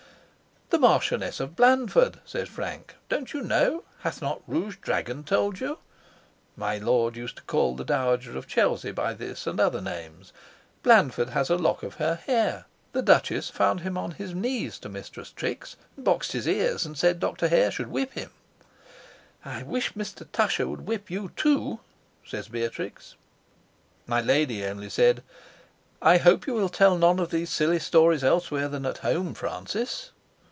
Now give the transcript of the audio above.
"The Marchioness of Blandford," says Frank. "Don't you know hath not Rouge Dragon told you?" (My lord used to call the Dowager of Chelsey by this and other names.) "Blandford has a lock of her hair: the Duchess found him on his knees to Mistress Trix, and boxed his ears, and said Dr. Hare should whip him." "I wish Mr. Tusher would whip you too," says Beatrix. My lady only said: "I hope you will tell none of these silly stories elsewhere than at home, Francis."